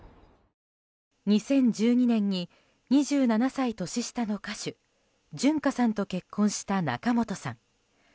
２０１２年に２７歳年下の歌手純歌さんと結婚した仲本さん。